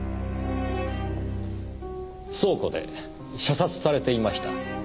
倉庫で射殺されていました。